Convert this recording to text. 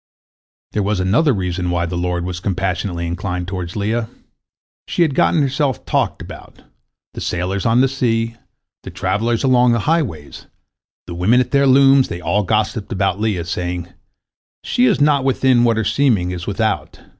There was another reason why the Lord was compassionately inclined toward Leah. She had gotten herself talked about. The sailors on the sea, the travellers along the highways, the women at their looms, they all gossiped about Leah, saying, "She is not within what her seeming is without.